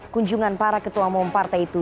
kunjungan para ketua umum partai itu